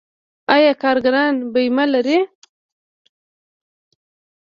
آیا کارګران بیمه لري؟